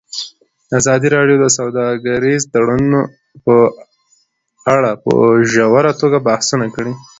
ازادي راډیو د سوداګریز تړونونه په اړه په ژوره توګه بحثونه کړي.